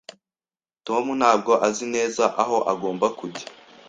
Tom ntabwo azi neza aho agomba kujya.